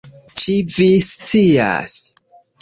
Ĉi vi scias?